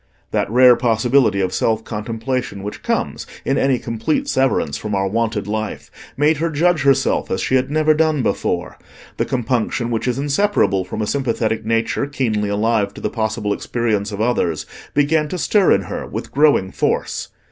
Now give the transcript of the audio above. That rare possibility of self contemplation which comes in any complete severance from our wonted life made her judge herself as she had never done before: the compunction which is inseparable from a sympathetic nature keenly alive to the possible experience of others, began to stir in her with growing force.